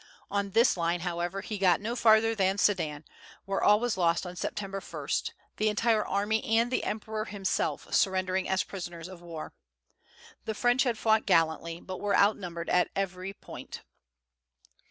On this line, however, he got no farther than Sedan, where all was lost on September 1, the entire army and the emperor himself surrendering as prisoners of war. The French had fought gallantly, but were outnumbered at every point.